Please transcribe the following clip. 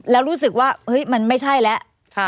แล้วรู้สึกว่ามันไม่ใช่แล้ว